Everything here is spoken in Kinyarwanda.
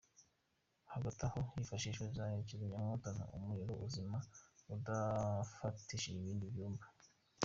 Hagatai aho, hifashishijwe za kizimyamwoto nto, umuriro uzima udafatishije ibindi byumba.